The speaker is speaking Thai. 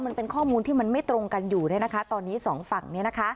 มันเป็นข้อมูลที่มันไม่ตรงกันอยู่ตอนนี้สองฝั่ง